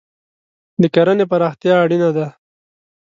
د کرهنې پراختیا اړینه ده.